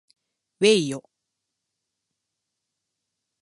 うぇいよ